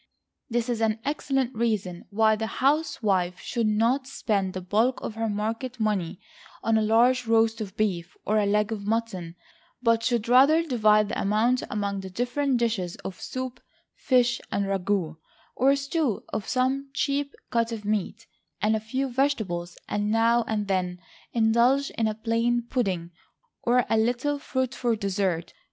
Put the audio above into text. This is an excellent reason why the housewife should not spend the bulk of her market money on a large roast of beef, or a leg of mutton, but should rather divide the amount among the different dishes of soup, fish, a ragout, or stew of some cheap cut of meat, and a few vegetables; and now and then indulge in a plain pudding, or a little fruit for dessert.